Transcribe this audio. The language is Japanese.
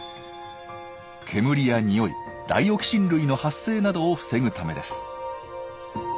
煙や臭いダイオキシン類の発生などを防ぐためです。